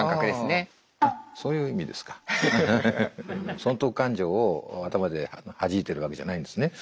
損得勘定を頭ではじいてるわけじゃないんですね。